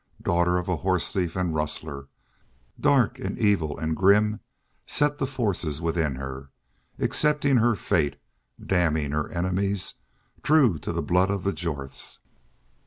Daughter of a horse thief and rustler! Dark and evil and grim set the forces within her, accepting her fate, damning her enemies, true to the blood of the Jorths.